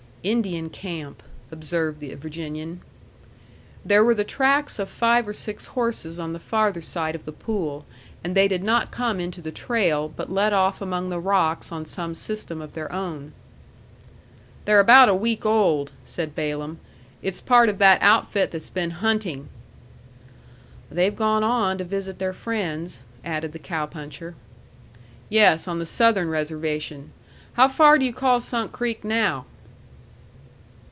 "Indian camp," observed the Virginian. There were the tracks of five or six horses on the farther side of the pool, and they did not come into the trail, but led off among the rocks on some system of their own. "They're about a week old," said Balaam. "It's part of that outfit that's been hunting." "They've gone on to visit their friends," added the cow puncher. "Yes, on the Southern Reservation. How far do you call Sunk Creek now?"